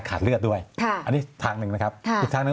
เลือดด้วยอันนี้ทางหนึ่งนะครับอีกทางหนึ่ง